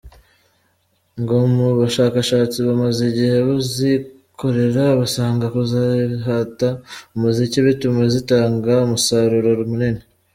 Ngo mu bushakashatsi bamaze igihe bazikorera basanga kuzihata umuziki bituma zitanga umusaruro munini.